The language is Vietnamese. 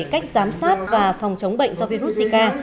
cách giám sát và phòng chống bệnh do virus zika